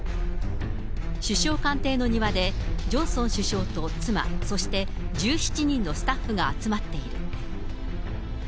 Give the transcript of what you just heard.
首相官邸の庭でジョンソン首相と妻、そして１７人のスタッフが集まっている。